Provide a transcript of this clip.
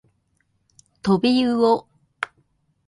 とびうお